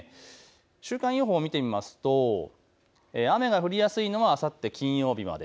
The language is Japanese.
週間予報を見てみますと雨が降りやすいのはあさって金曜日まで。